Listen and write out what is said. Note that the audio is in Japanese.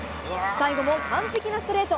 最後も完璧なストレート。